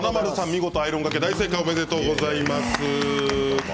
見事アイロンがけ大正解おめでとうございます。